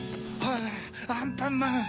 アンパンマン。